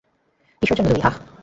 কীসের জন্য তৈরি, হাহ?